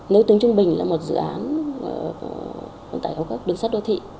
nếu tính trung bình là một dự án tải hóa các đường sắt đô thị